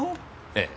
ええ。